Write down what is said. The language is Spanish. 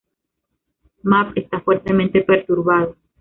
Mab está fuertemente perturbado.